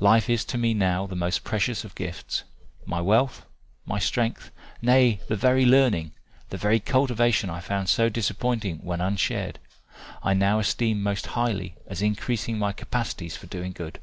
Life is to me now the most precious of gifts my wealth, my strength, nay the very learning, the very cultivation I found so disappointing when unshared, I now esteem most highly as increasing my capacities for doing good.